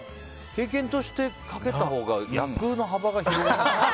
経験として、かけたほうが役の幅が広がるんじゃない？